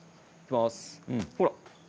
ほら。